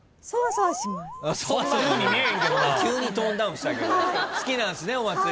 急にトーンダウンしたけど好きなんすねお祭りがね。